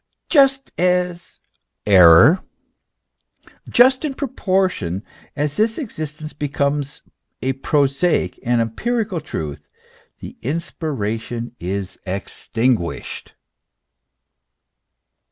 Just in proportion as this existence becomes a prosaic, an empirical truth, the inspiration is extinguished.